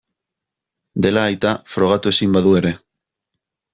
Dela aita, frogatu ezin badu ere.